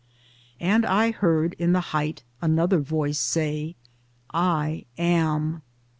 And I heard (in the height) another voice say : I AM.